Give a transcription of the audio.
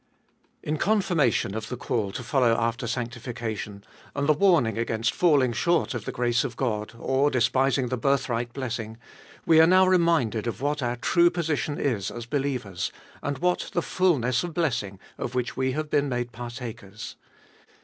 IN confirmation of the call to follow after sanctification, and the warning against falling short of the grace of God, or despising the birthright blessing, we are now reminded of what our true position is as believers, and what the fulness of blessing of which we have been made partakers.